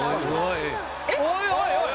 「おいおいおい！」